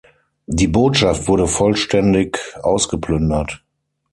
Die Botschaft wurde vollständig ausgeplündert.